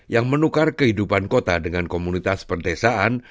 yang menukar kehidupan kota dengan komunitas perdesaan